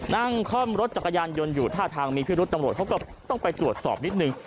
คล่อมรถจักรยานยนต์อยู่ท่าทางมีพิรุษตำรวจเขาก็ต้องไปตรวจสอบนิดนึง